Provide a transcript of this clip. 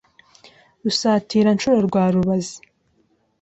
Rusatiranshuro rwa Rubazi